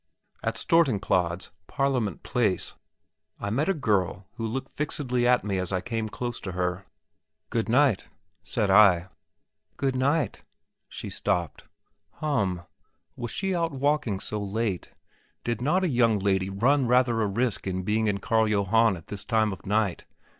At Stortingsplads (Parliament Place) I met a girl who looked fixedly at me as I came close to her. "Good night!" said I. "Good night!" She stopped. Hum! was she out walking so late? Did not a young lady run rather a risk in being in Carl Johann at this time of night?